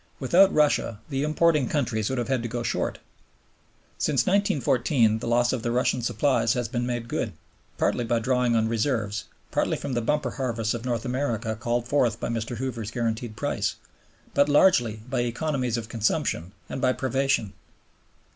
Without Russia the importing countries would have had to go short. Since 1914 the loss of the Russian supplies has been made good, partly by drawing on reserves, partly from the bumper harvests of North America called forth by Mr. Hoover's guaranteed price, but largely by economies of consumption and by privation.